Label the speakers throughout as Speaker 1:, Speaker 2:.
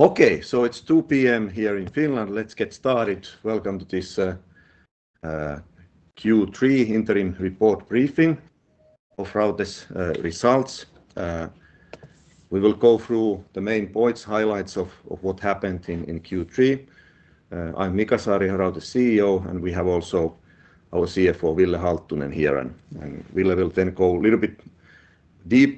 Speaker 1: Okay. It's 2:00 P.M. here in Finland. Let's get started. Welcome to this Q3 interim report briefing of Raute's results. We will go through the main points, highlights of what happened in Q3. I'm Mika Saariaho, the CEO, and we have also our CFO, Ville Halttunen, here. Ville will then go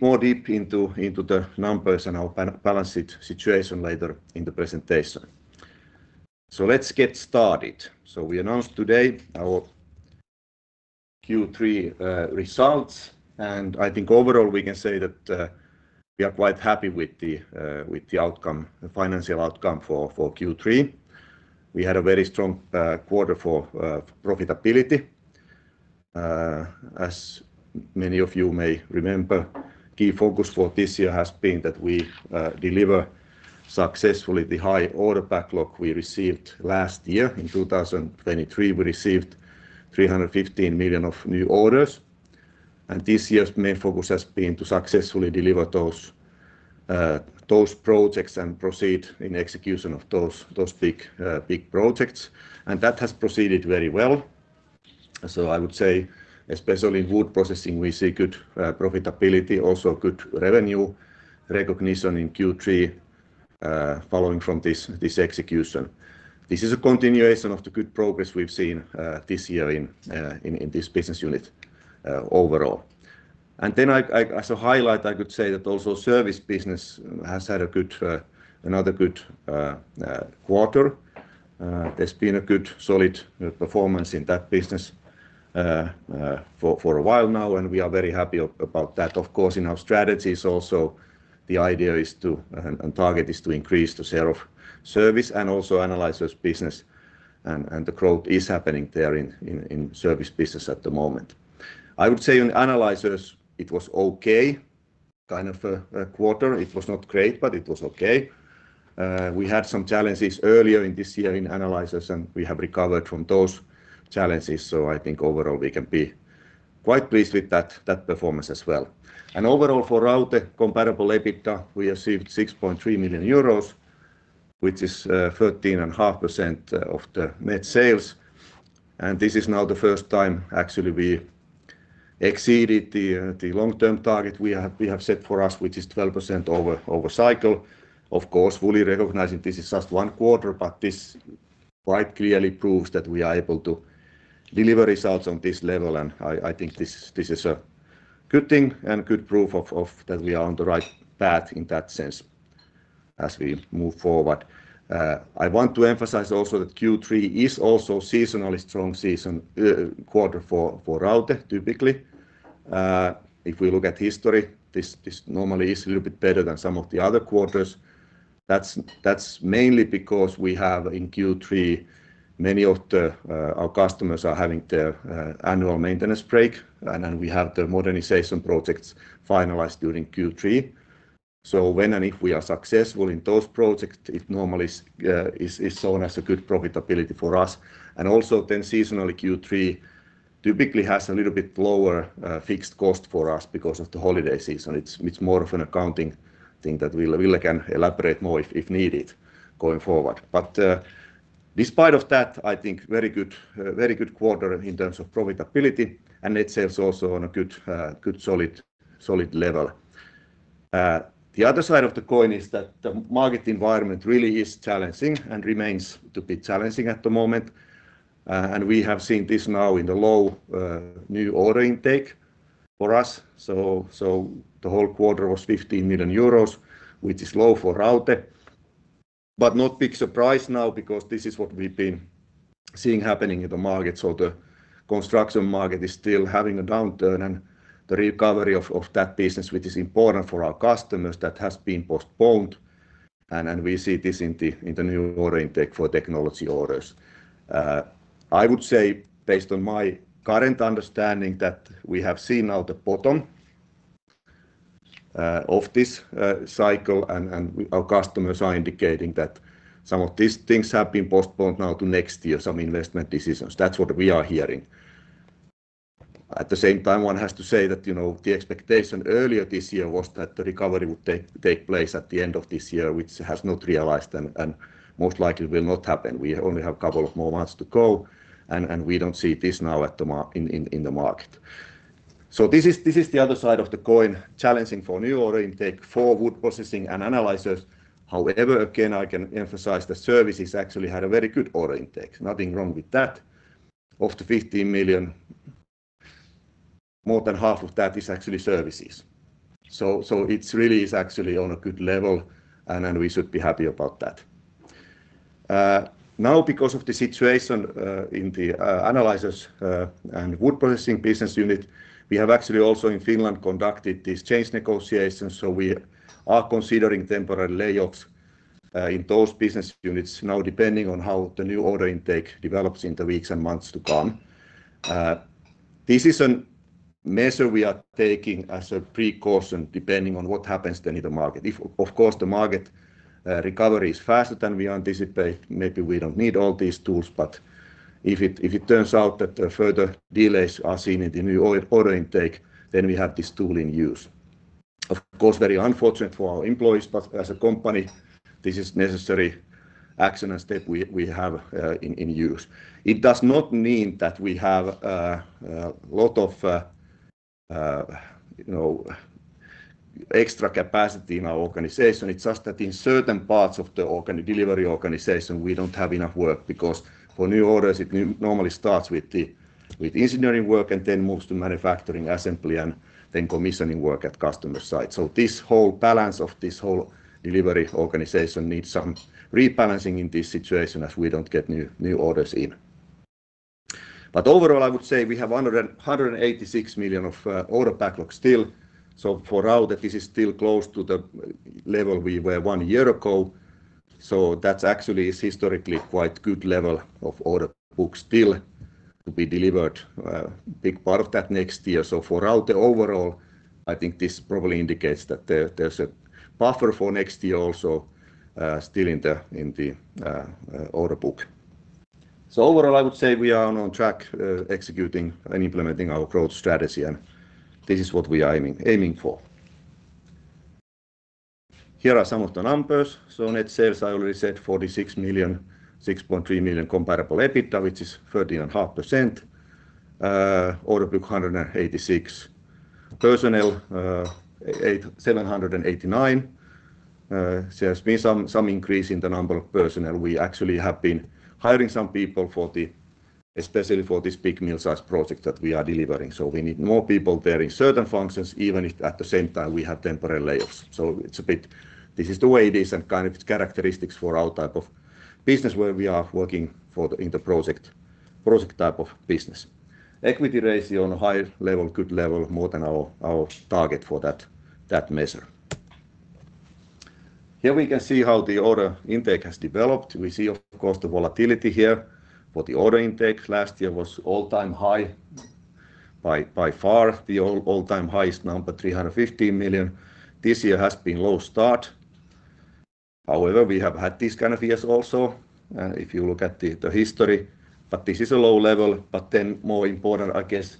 Speaker 1: more deep into the numbers and our balance sheet situation later in the presentation. Let's get started. We announced today our Q3 results, and I think overall we can say that we are quite happy with the financial outcome for Q3. We had a very strong quarter for profitability. As many of you may remember, key focus for this year has been that we deliver successfully the high order backlog we received last year. In 2023, we received 315 million of new orders. This year's main focus has been to successfully deliver those projects and proceed in execution of those big projects. That has proceeded very well. I would say especially in wood processing, we see good profitability, also good revenue recognition in Q3, following from this execution. This is a continuation of the good progress we've seen this year in this business unit overall. Then as a highlight, I could say that also service business has had another good quarter. There's been a good solid performance in that business for a while now, and we are very happy about that. Of course, in our strategies also, the idea and target is to increase the sale of service and also analyzers business, and the growth is happening there in service business at the moment. I would say in analyzers it was okay kind of a quarter. It was not great, but it was okay. We had some challenges earlier in this year in analyzers, and we have recovered from those challenges. I think overall we can be quite pleased with that performance as well. Overall for Raute comparable EBITDA, we achieved 6.3 million euros, which is 13.5% of the net sales. This is now the first time actually we exceeded the long-term target we have set for us, which is 12% over cycle. Of course, fully recognizing this is just one quarter, but this quite clearly proves that we are able to deliver results on this level, and I think this is a good thing and good proof that we are on the right path in that sense as we move forward. I want to emphasize also that Q3 is also seasonally strong season quarter for Raute typically. If we look at history, this normally is a little bit better than some of the other quarters. That's mainly because we have in Q3, many of our customers are having their annual maintenance break, and then we have the modernization projects finalized during Q3. When and if we are successful in those projects, it normally is shown as a good profitability for us. Also then seasonally, Q3 typically has a little bit lower fixed cost for us because of the holiday season. It's more of an accounting thing that Ville can elaborate more if needed going forward. Despite of that, I think very good quarter in terms of profitability and net sales also on a good solid level. The other side of the coin is that the market environment really is challenging and remains to be challenging at the moment. We have seen this now in the low new order intake for us. The whole quarter was 15 million euros, which is low for Raute, but not big surprise now because this is what we've been seeing happening in the market. The construction market is still having a downturn and the recovery of that business, which is important for our customers, that has been postponed, and we see this in the new order intake for technology orders. I would say based on my current understanding, that we have seen now the bottom of this cycle and our customers are indicating that some of these things have been postponed now to next year, some investment decisions. That's what we are hearing. At the same time, one has to say that the expectation earlier this year was that the recovery would take place at the end of this year, which has not realized and most likely will not happen. We only have couple of more months to go, and we don't see this now in the market. This is the other side of the coin. Challenging for new order intake for wood processing and analyzers. However, again, I can emphasize the services actually had a very good order intake. Nothing wrong with that. Of the 15 million, more than half of that is actually services. It's really is actually on a good level and we should be happy about that. Now because of the situation in the analyzers and wood processing business unit, we have actually also in Finland conducted these change negotiations. We are considering temporary layoffs in those business units now, depending on how the new order intake develops in the weeks and months to come. This is a measure we are taking as a precaution depending on what happens then in the market. If, of course, the market recovery is faster than we anticipate, maybe we don't need all these tools, but if it turns out that further delays are seen in the new order intake, then we have this tool in use. Of course, very unfortunate for our employees, but as a company, this is necessary action and step we have in use. It does not mean that we have a lot of extra capacity in our organization. It's just that in certain parts of the delivery organization, we don't have enough work because for new orders, it normally starts with engineering work and then moves to manufacturing, assembly, and then commissioning work at customer site. This whole balance of this whole delivery organization needs some rebalancing in this situation as we don't get new orders in. Overall, I would say we have 186 million of order backlog still. For Raute, this is still close to the level we were one year ago. That's actually is historically quite good level of order book still to be delivered, a big part of that next year. For Raute overall, I think this probably indicates that there's a buffer for next year also still in the order book. Overall, I would say we are on track executing and implementing our growth strategy, and this is what we are aiming for. Here are some of the numbers. Net sales, I already said 46.3 million comparable EBITDA, which is 13.5%. Order book 186 million. Personnel 789. There has been some increase in the number of personnel. We actually have been hiring some people especially for this big mill size project that we are delivering. We need more people there in certain functions, even if at the same time we have temporary layoffs. This is the way it is and kind of characteristics for our type of business where we are working in the project type of business. Equity ratio on a high level, good level, more than our target for that measure. Here we can see how the order intake has developed. We see, of course, the volatility here for the order intake. Last year was all-time high by far, the all-time highest number, 315 million. This year has been low start. However, we have had these kind of years also, and if you look at the history, but this is a low level. More important, I guess,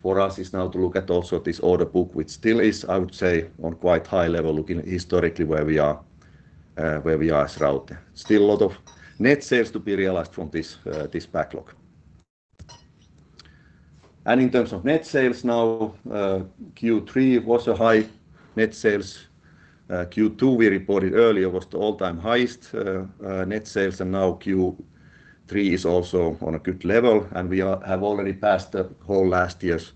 Speaker 1: for us is now to look at also this order book, which still is, I would say, on quite high level looking historically where we are as Raute. Still a lot of net sales to be realized from this backlog. In terms of net sales now, Q3 was a high net sales. Q2, we reported earlier, was the all-time highest net sales, and Q3 is also on a good level. We have already passed the whole last year's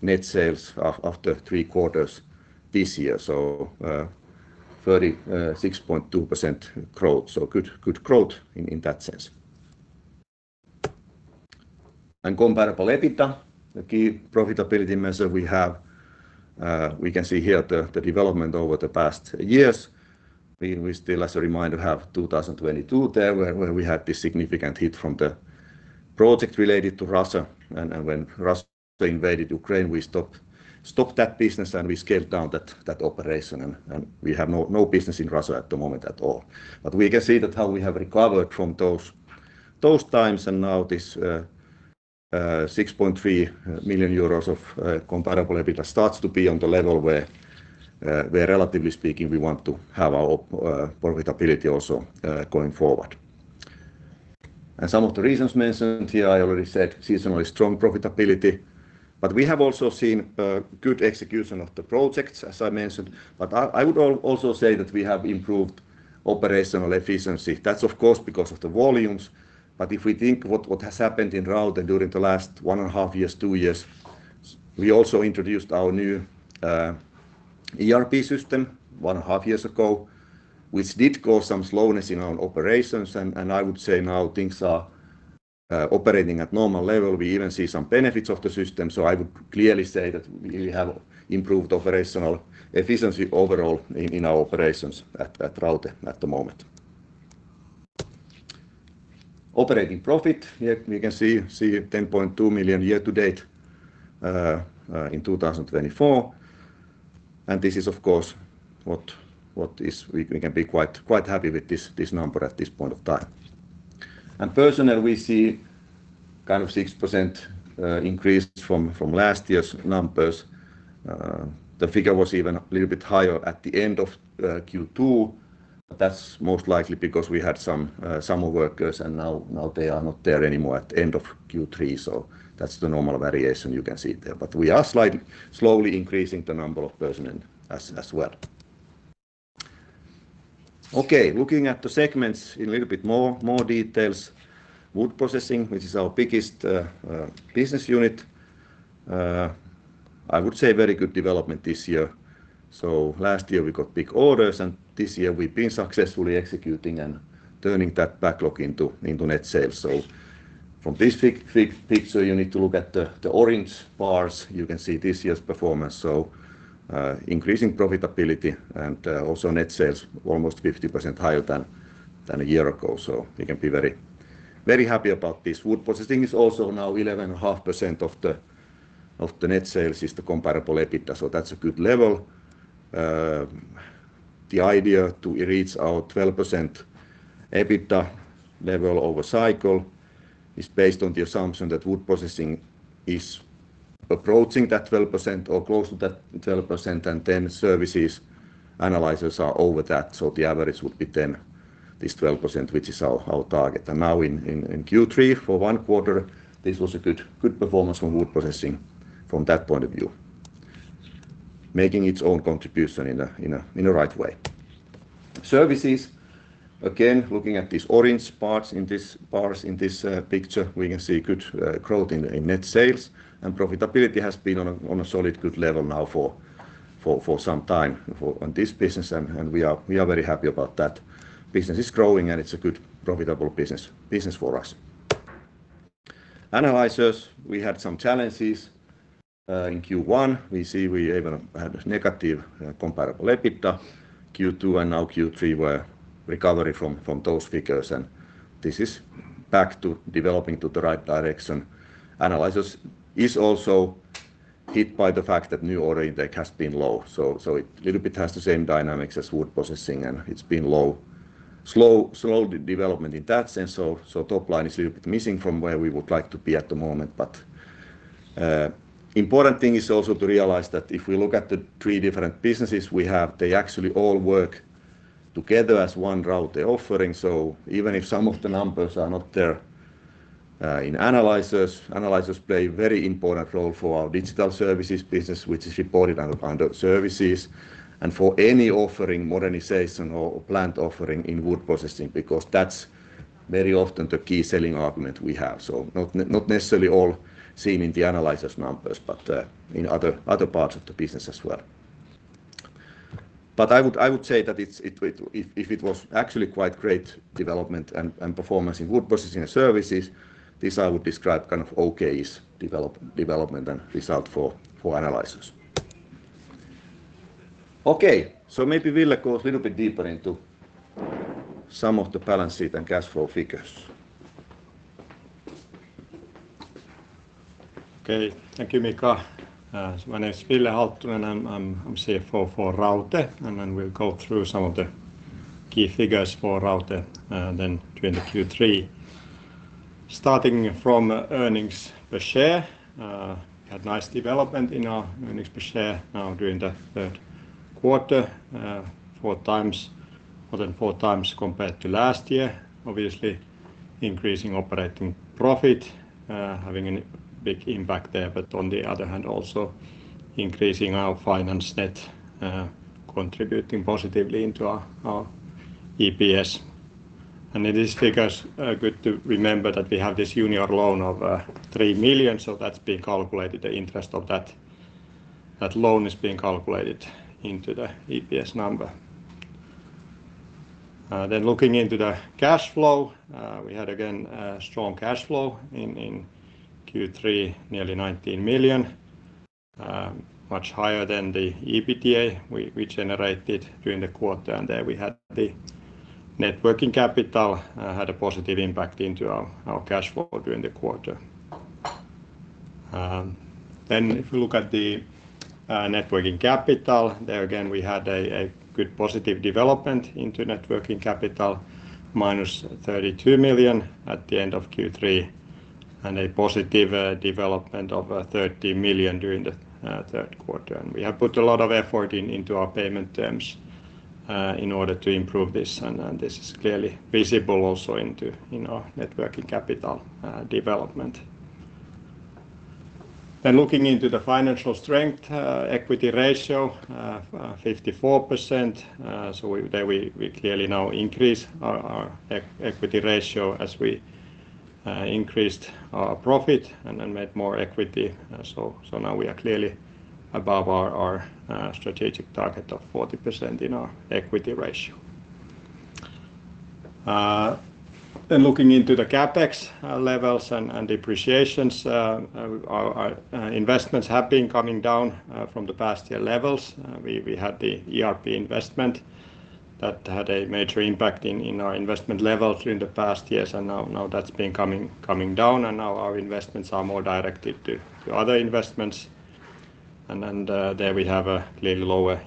Speaker 1: net sales after three quarters this year. 36.2% growth. Good growth in that sense. Comparable EBITDA, the key profitability measure we have, we can see here the development over the past years. We still, as a reminder, have 2022 there, where we had this significant hit from the project related to Russia. When Russia invaded Ukraine, we stopped that business and we scaled down that operation. We have no business in Russia at the moment at all. But we can see that how we have recovered from those times. Now this 6.3 million euros of comparable EBITDA starts to be on the level where relatively speaking, we want to have our profitability also going forward. Some of the reasons mentioned here, I already said seasonally strong profitability. We have also seen good execution of the projects, as I mentioned. I would also say that we have improved operational efficiency. That's, of course, because of the volumes. If we think what has happened in Raute during the last one and a half years, two years, we also introduced our new ERP system one and a half years ago, which did cause some slowness in our operations. I would say now things are operating at normal level. We even see some benefits of the system. I would clearly say that we have improved operational efficiency overall in our operations at Raute at the moment. Operating profit. Here we can see 10.2 million year to date in 2024. This is, of course, what we can be quite happy with this number at this point of time. Personnel, we see kind of 6% increase from last year's numbers. The figure was even a little bit higher at the end of Q2, that's most likely because we had some summer workers, and now they are not there anymore at the end of Q3. That's the normal variation you can see there. We are slowly increasing the number of personnel as well. Okay. Looking at the segments in a little bit more details. Wood processing, which is our biggest business unit. I would say very good development this year. Last year we got big orders, and this year we've been successfully executing and turning that backlog into net sales. From this picture, you need to look at the orange bars. You can see this year's performance. Increasing profitability and also net sales almost 50% higher than a year ago. We can be very happy about this. Wood processing is also now 11.5% of the net sales is the comparable EBITDA. That's a good level. The idea to reach our 12% EBITDA level over cycle is based on the assumption that wood processing is approaching that 12%, or close to that 12%, and then services analyzers are over that. The average would be this 12%, which is our target. Now in Q3, for one quarter, this was a good performance from wood processing from that point of view, making its own contribution in the right way. Services, again, looking at these orange bars in this picture, we can see good growth in net sales. Profitability has been on a solid, good level now for some time on this business, and we are very happy about that. Business is growing, and it's a good profitable business for us. Analyzers, we had some challenges in Q1. We see we even had a negative comparable EBITDA. Q2 and now Q3 were recovery from those figures, and this is back to developing to the right direction. Analyzers is also hit by the fact that new order intake has been low. It little bit has the same dynamics as wood processing, and it's been low. Slow development in that sense, top line is a little bit missing from where we would like to be at the moment. Important thing is also to realize that if we look at the three different businesses we have, they actually all work together as one Raute offering. Even if some of the numbers are not there in analyzers play a very important role for our digital services business, which is reported under services and for any offering modernization or plant offering in wood processing, because that's very often the key selling argument we have. Not necessarily all seen in the analyzers numbers, but in other parts of the business as well. I would say that if it was actually quite great development and performance in wood processing and services, this I would describe kind of okay-ish development
Speaker 2: net working capital had a positive impact into our cash flow during the quarter. If we look at the net working capital, there again, we had a good positive development into net working capital, minus 32 million at the end of Q3, and a positive development of 30 million during the third quarter. We have put a lot of effort into our payment terms in order to improve this, and this is clearly visible also in our net working capital development.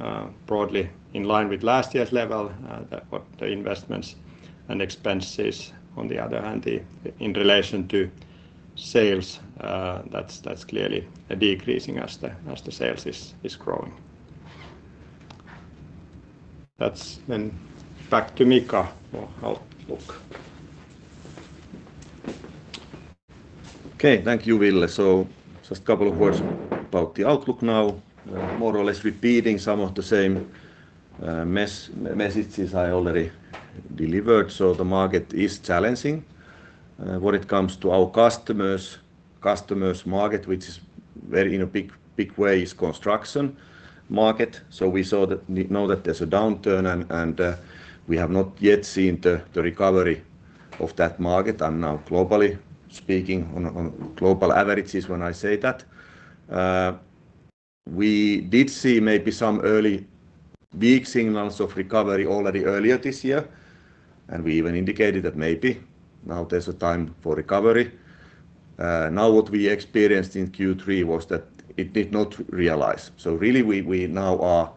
Speaker 2: Looking into the financial strength, equity ratio of 54%. There we clearly now increase our equity ratio as we increased our profit and made more equity. Now we are clearly above our strategic target of 40% in our equity ratio. Looking into the CapEx levels and depreciations, our investments have been coming down from the past year levels. We had the ERP investment that had a major impact in our investment levels during the past years, and now that has been coming down, and now our investments are more directed to other investments. There we have a clearly lower investment levels also against last year. During the third quarter, we had EUR 400,000 of investments. On the other hand, the depreciation level is somewhat increasing due to the fact that we have started the depreciations on the ERP investment that we have made. Still looking into R&D expenditures, they are broadly in line with last year's level the investments and expenses. On the other hand, in relation to sales, that is clearly decreasing as the sales is growing. That is back to Mika for outlook.
Speaker 1: Okay. Thank you, Ville. Just couple of words about the outlook now. More or less repeating some of the same messages I already delivered. The market is challenging. When it comes to our customers' market, in a big way is construction market. We know that there is a downturn, and we have not yet seen the recovery of that market. I am now globally speaking, on global averages when I say that. We did see maybe some early weak signals of recovery already earlier this year, and we even indicated that maybe now there is a time for recovery. Now, what we experienced in Q3 was that it did not realize. Really we now are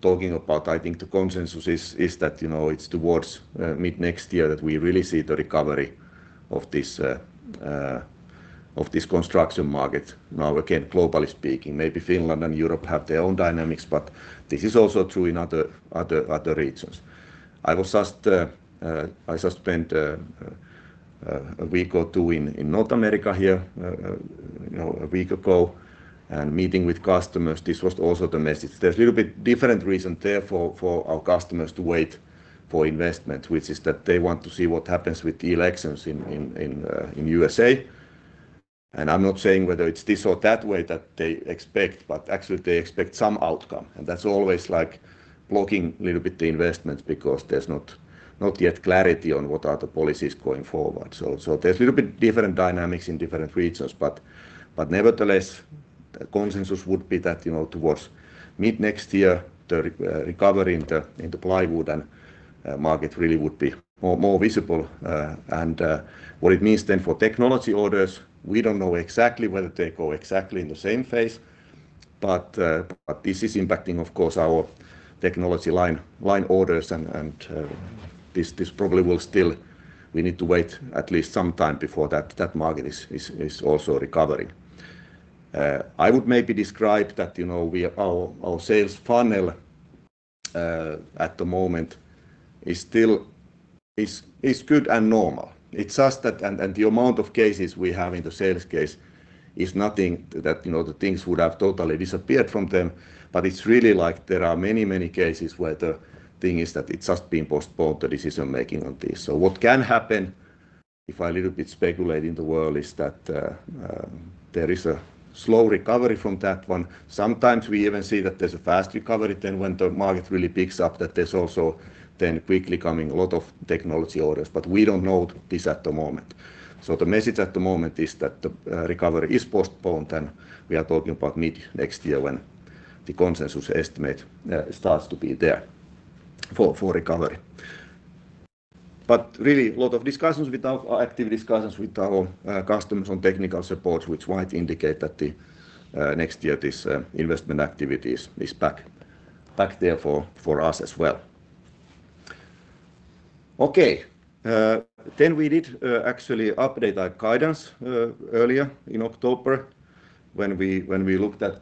Speaker 1: talking about, I think the consensus is that it is towards mid-next year that we really see the recovery of this construction market. Again, globally speaking, maybe Finland and Europe have their own dynamics, but this is also true in other regions. I just spent a week or two in North America here, a week ago, and meeting with customers, this was also the message. There's little bit different reason there for our customers to wait for investment, which is that they want to see what happens with the elections in USA. I'm not saying whether it's this or that way that they expect, but actually they expect some outcome, and that's always blocking little bit the investments because there's not yet clarity on what are the policies going forward. There's little bit different dynamics in different regions, but nevertheless, the consensus would be that towards mid-next year, the recovery in the plywood market really would be more visible. What it means then for technology orders, we don't know exactly whether they go exactly in the same phase, but this is impacting, of course, our technology line orders and this probably we need to wait at least some time before that market is also recovering. I would maybe describe that our sales funnel at the moment is good and normal. The amount of cases we have in the sales case is nothing that the things would have totally disappeared from them, but it's really there are many, many cases where the thing is that it's just been postponed, the decision-making on this. What can happen, if I little bit speculate in the world, is that there is a slow recovery from that one. Sometimes we even see that there's a fast recovery than when the market really picks up that there's also then quickly coming a lot of technology orders. We don't know this at the moment. The message at the moment is that the recovery is postponed, and we are talking about mid-next year when the consensus estimate starts to be there for recovery. Really, a lot of active discussions with our customers on technical support, which might indicate that the next year this investment activity is back there for us as well. Okay. We did actually update our guidance earlier in October when we looked at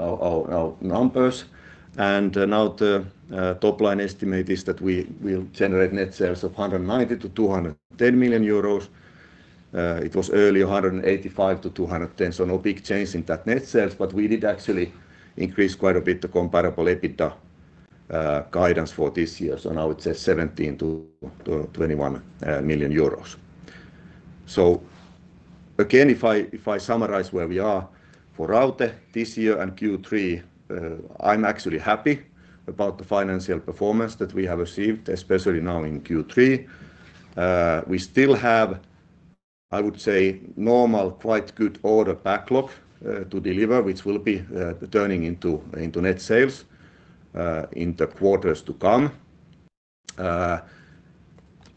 Speaker 1: our numbers. Now the top-line estimate is that we will generate net sales of 190 million-210 million euros. It was earlier 185 million-210 million, no big change in that net sales, we did actually increase quite a bit the comparable EBITDA guidance for this year. Now it says 17 million-21 million euros. Again, if I summarize where we are for Raute this year and Q3, I'm actually happy about the financial performance that we have received, especially now in Q3. We still have, I would say, normal, quite good order backlog to deliver, which will be turning into net sales in the quarters to come.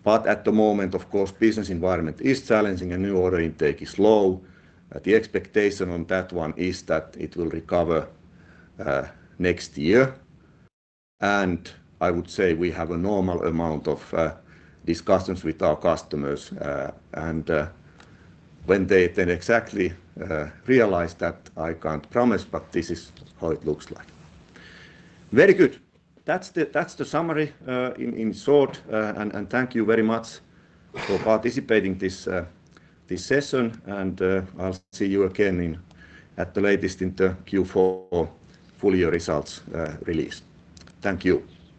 Speaker 1: At the moment, of course, business environment is challenging and new order intake is low. The expectation on that one is that it will recover next year. I would say we have a normal amount of discussions with our customers. When they then exactly realize that, I can't promise, but this is how it looks like. Very good. That's the summary in short. Thank you very much for participating this session, and I'll see you again at the latest in the Q4 full year results release. Thank you.